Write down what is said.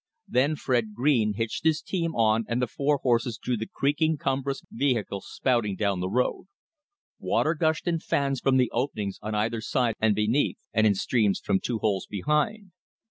Then Fred Green hitched his team on and the four horses drew the creaking, cumbrous vehicle spouting down the road. Water gushed in fans from the openings on either side and beneath; and in streams from two holes behind.